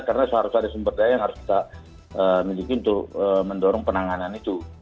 karena seharusnya ada sumber daya yang harus kita miliki untuk mendorong penanganan itu